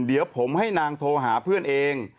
เดี๋ยวผมให้นางโทรหาเพื่อนเอง